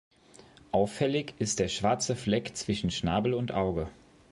Auffällig ist der schwarze Fleck zwischen Schnabel und Auge.